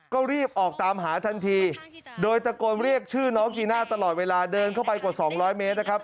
ก็รีบออกตามหาทันทีโดยตะโกนเรียกชื่อน้องจีน่าตลอดเวลาเดินเข้าไปกว่า๒๐๐เมตรนะครับ